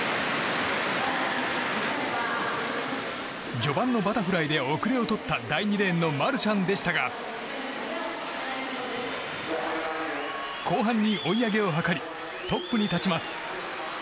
序盤のバタフライで後れを取った第２レーンのマルシャンでしたが後半に追い上げを図りトップに立ちます。